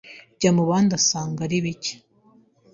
Jyamubandi asanga ari bike